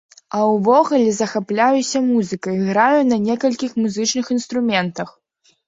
А ўвогуле, захапляюся музыкай, граю на некалькіх музычных інструментах.